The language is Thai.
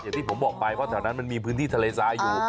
อย่างที่ผมบอกไปเพราะแถวนั้นมันมีพื้นที่ทะเลทรายอยู่